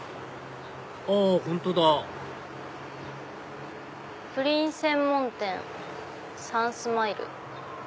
あっ本当だ「プリン専門店サンスマイル」。